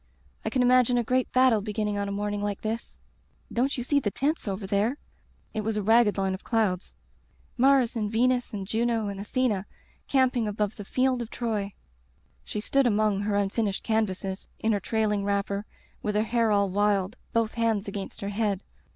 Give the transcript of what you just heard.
I can imagine a great battle beginning on a morning like this. Don't you see the tents over there —' It was a ragged line of clouds. 'Mars and Venus and Juno and Athena camping above the Digitized by LjOOQ IC Interventions field of Troy/ She stood among her unfin ished canvases, in her trailing wrapper, with her hair all wild, both hands against her head.